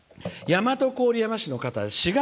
大和郡山市の方です。